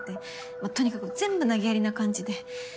まあとにかく全部投げやりな感じで。